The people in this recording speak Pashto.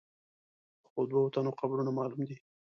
خو د دوو تنو قبرونه معلوم دي.